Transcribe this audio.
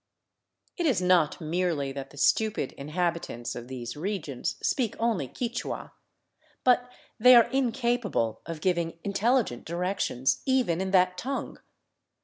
It is not merely that the stupid inhabitants of these regions speak only Quichua, but they are incapable of giving intelligent directions, even in that tongue.